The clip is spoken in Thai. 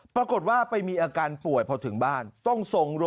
ปรากฏว่าไปมีอาการป่วยพอถึงบ้าน